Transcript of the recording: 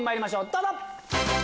どうぞ！